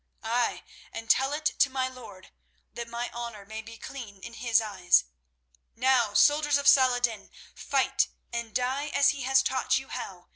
Ay, and tell it to my lord, that my honour may be clean in his eyes. Now, soldiers of Salah ed din, fight and die as he has taught you how.